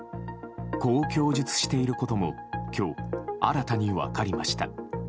こう供述していることも新たに分かりました。